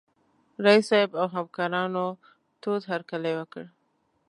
رييس صاحب او همکارانو تود هرکلی وکړ.